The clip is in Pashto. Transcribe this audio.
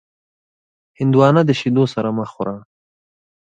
هندوانه د شیدو سره مه خوره.